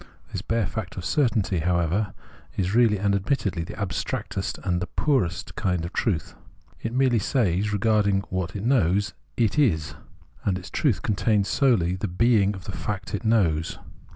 This bare fact of certainty, however, is really and admittedly the abstractest and the poorest kind of truth. It merely says regarding what 90 Sense certainty 91 it knows : it is ; and its truth contains solely tke heing of tlie fact it knows.